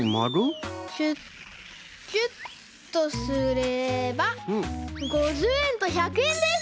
キュッキュッとすれば５０えんと１００えんです！